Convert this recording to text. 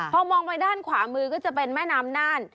พอมองไปด้านขวามือก็จะเป็นแม่น้ำน่าน